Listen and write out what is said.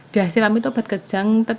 dihacepam itu obat kejang